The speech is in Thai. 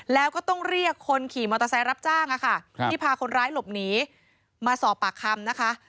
แล้วก็ต้องเรียกคนขี่มอเตอร์ไซค์รับจ้างที่พาคนร้ายหลบหนีมาสอบปากคำนะคะ